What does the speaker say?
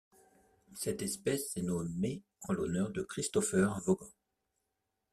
Cette espèce est nommée en l'honneur de Christopher Vaughan.